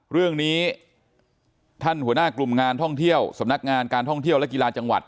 เรื่องนี้ท่านหัวหน้ากลุ่มงานท่องเที่ยวสำนักงานการท่องเที่ยวและกีฬาจังหวัด